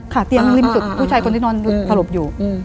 เตียงริมจุดผู้ชายคนที่นอนสลบอยู่